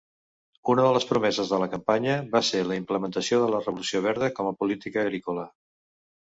Una de les promeses de la campanya va ser la implementació de la Revolució Verda com a política agrícola.